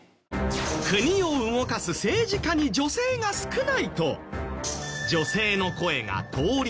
国を動かす政治家に女性が少ないと女性の声が通りにくい。